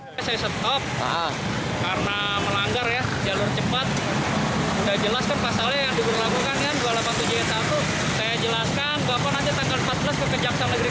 bapak nanti tanggal empat belas kekejaksaan negeri kota depok kota tenggang di dc